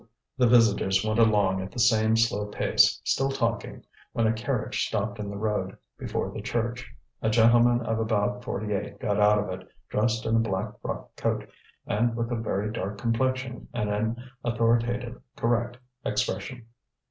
The visitors went along at the same slow pace, still talking, when a carriage stopped in the road, before the church. A gentleman of about forty eight got out of it, dressed in a black frock coat, and with a very dark complexion and an authoritative, correct expression.